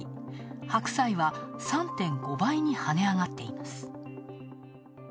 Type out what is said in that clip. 白菜は３．５倍に跳ね上がっています。